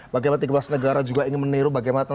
bagaimana tiga belas negara juga ingin meniru bagaimana